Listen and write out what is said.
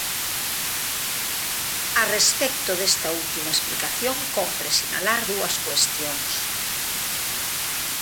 A respecto desta última explicación, cómpre sinalar dúas cuestións.